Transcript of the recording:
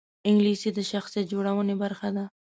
انګلیسي د شخصیت جوړونې برخه ده